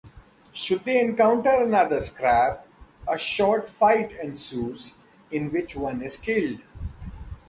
Should they encounter another Scrab, a short fight ensues in which one is killed.